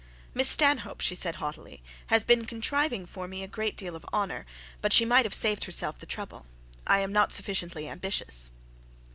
'Miss Stanhope,' said she haughtily, 'has been contriving for me a great deal of honour, but she might have saved herself the trouble. I an not sufficiently ambitious.'